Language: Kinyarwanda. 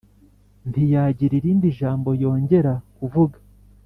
Ntiyagira irindi ijambo yongera kuvuga